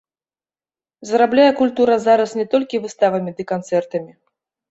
Зарабляе культура зараз не толькі выставамі ды канцэртамі.